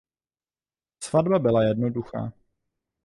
Svatba byla jednoduchá.